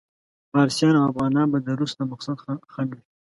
فارسیان او افغانان به د روس د مقصد خنډ وي.